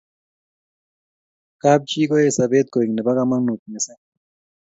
kab chi koae sabet koeng nebo kamagut mising